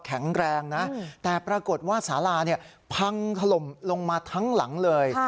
แข็งแรงนะแต่ปรากฏว่าสาราพังถล่มลงมาทั้งหลังเลย